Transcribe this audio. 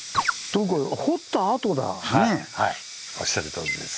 はいはいおっしゃるとおりです。